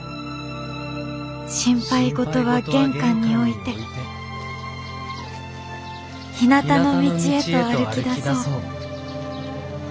「心配事は玄関に置いてひなたの道へと歩きだそう」。